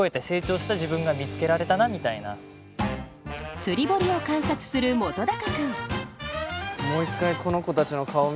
釣り堀を観察する本君